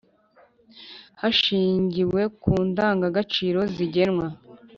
hashingiwe ku ndangagaciro zigenwa.